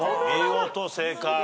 見事正解。